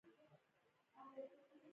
کیدای شي ښه د اس سپور ترې جوړ شي.